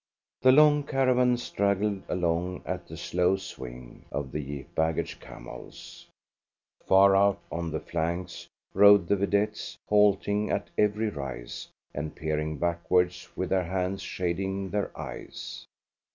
The long caravan straggled along at the slow swing of the baggage camels. Far out on the flanks rode the vedettes, halting at every rise, and peering backwards with their hands shading their eyes.